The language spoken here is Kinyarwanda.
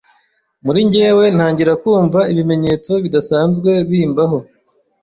muri njyewe ntangira kumva ibimenyetso bidasanzwe bimbaho,